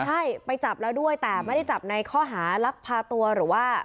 ใช่ไปจับแล้วด้วยแต่ไม่ได้จับในข้อหารักพาตัวหรือว่า